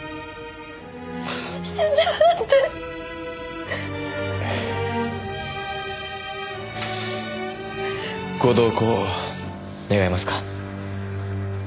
死んじゃうなんて。ご同行願えますか？